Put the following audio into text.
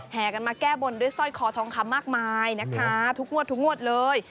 กันมาแก้บนด้วยสร้อยคอทองคำมากมายนะคะทุกงวดทุกงวดเลย